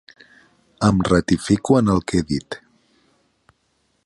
Em ratifico en el que he dit.